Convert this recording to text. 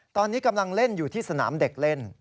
ตอนนี้กำลังเล่นอยู่ที่สนามเด็กเล่น